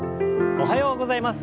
おはようございます。